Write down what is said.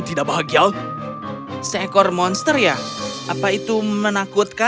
villagers mengindahkan aku dan mereka menghubung hubung menggoda aku